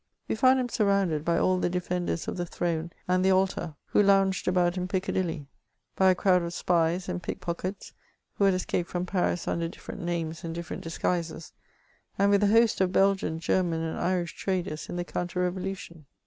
We found him surrounded by all the defenders of the throne and the altar, who lounged about in Piccadilly; by a crowd of spies and pickpockets who had escaped from Paris under different names and different disguises, and with a host of Belgian, German, and Irish traders in the counter revolution.